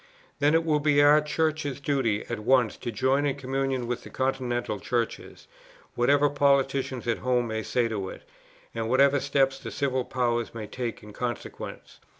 then it will be our Church's duty at once to join in communion with the continental Churches, whatever politicians at home may say to it, and whatever steps the civil power may take in consequence.